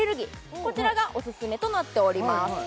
こちらがオススメとなっております